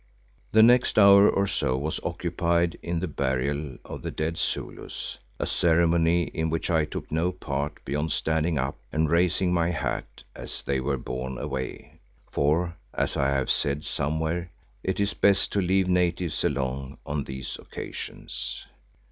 The next hour or so was occupied in the burial of the dead Zulus, a ceremony in which I took no part beyond standing up and raising my hat as they were borne away, for as I have said somewhere, it is best to leave natives alone on these occasions.